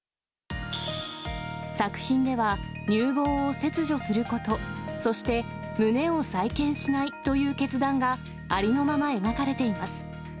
作品では、乳房を切除すること、そして胸を再建しないという決断が、ありのまま描かれています。